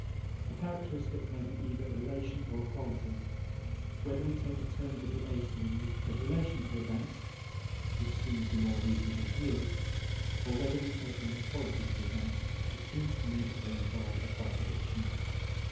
A characteristic may be either a relation or a quality. Whether we take the terms of the A series as relations of events (which seems the more reasonable view) or whether we take them as qualities of events, it seems to me that they involve a contradiction.